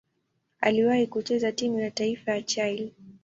Aliwahi kucheza timu ya taifa ya Chile.